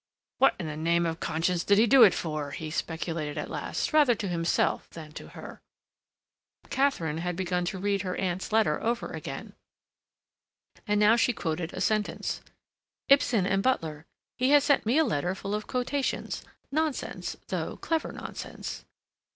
"What in the name of conscience did he do it for?" he speculated at last, rather to himself than to her. Katharine had begun to read her aunt's letter over again, and she now quoted a sentence. "Ibsen and Butler.... He has sent me a letter full of quotations—nonsense, though clever nonsense."